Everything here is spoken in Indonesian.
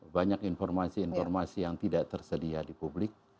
banyak informasi informasi yang tidak tersedia di publik